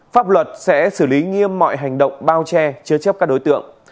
pháp luật sẽ xử lý nghiêm mọi hành động bao che chứa chấp các đối tượng